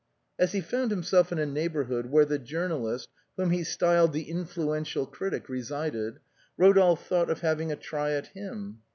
As he found himself in a neighborhood where the jour nalist, whom he styled the influential critic, resided Eo dolphe thought of having a try at him.